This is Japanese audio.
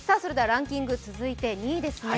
ランキング、続いて２位ですね。